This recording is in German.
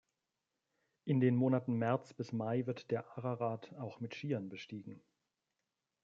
In den Monaten März bis Mai wird der Ararat auch mit Skiern bestiegen.